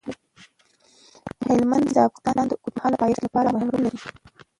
هلمند سیند د افغانستان د اوږدمهاله پایښت لپاره مهم رول لري.